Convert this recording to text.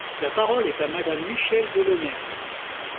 La parole est à Madame Michèle Delaunay.